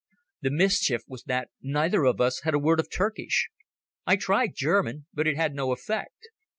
The mischief was that neither of us had a word of Turkish. I tried German, but it had no effect.